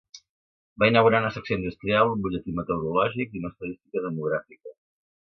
Va inaugurar una secció industrial, un butlletí meteorològic i una estadística demogràfica.